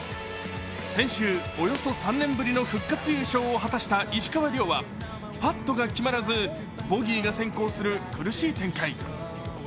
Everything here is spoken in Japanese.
先週およそ３年ぶりの復活優勝を果たした石川遼はパットが決まらずボギーが先行する苦しい展開。